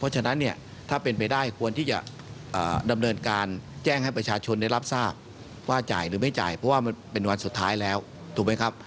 ว่าจ่ายหรือไม่จ่ายเพราะว่ามันเป็นวันสุดท้ายแล้วถูกไหมครับ